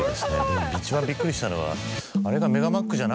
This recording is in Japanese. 一番びっくりしたのは。